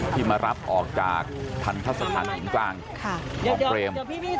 ที่มารับออกจากทันทรัศน์ถังถึงกลางรอบเตรียม